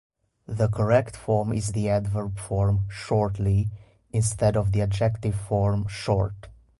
The correct form is the adverb form "shortly" instead of the adjective form "short".